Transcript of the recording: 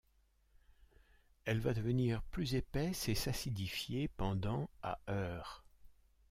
Elle va devenir plus épaisse et s'acidifier, pendant à heures.